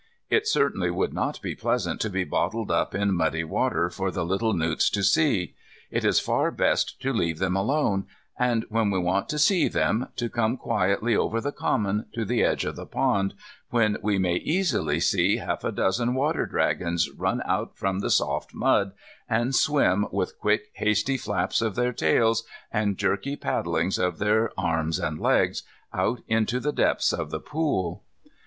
It certainly would not be pleasant to be bottled up in muddy water for the little newts to see. It is far best to leave them alone, and, when we want to see them, to come quietly over the common to the edge of the pond, when we may easily see half a dozen water dragons run out from the soft mud, and swim, with quick, hasty flaps of their tails, and jerky paddlings of their arms and legs, out into the depths of the pool.